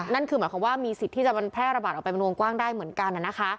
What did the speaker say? นั่นคือหมายความว่ามีสิทธิ์ที่จะแพร่ระบาดออกไปเป็นวงกว้างได้เหมือนกัน